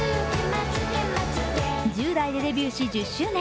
１０代でデビューして１０周年